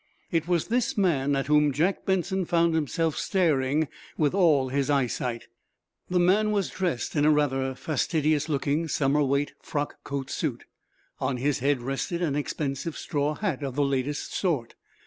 It was this man at whom Jack Benson found himself staring with all his eyesight. The man was dressed in a rather fastidious looking summer weight frock coat suit. On his head rested an expensive straw hat of the latest sort.